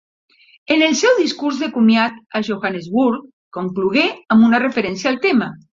En el seu discurs de comiat a Johannesburg, conclogué amb una referència al tema.